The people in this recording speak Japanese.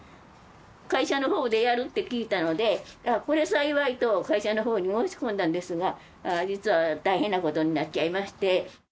会社のほうでやるって聞いたので、ああ、これ幸いと、会社のほうに申し込んだんですが、実は大変なことになっちゃいまして。